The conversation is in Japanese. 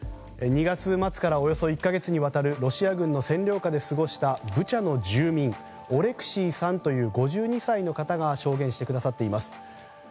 ２月末からおよそ１か月にわたるロシア軍の占領下で過ごしたブチャの住民オレクシーさんという５２歳の方が証言してくださっています。